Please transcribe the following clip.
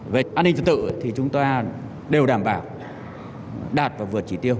về an ninh trật tự thì chúng ta đều đảm bảo đạt và vượt chỉ tiêu